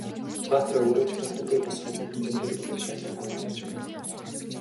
Баатар ч өөрөө болдоггүй, бас хажууд нь зэмлэл хүлээх шалтаг аяндаа мундахгүй.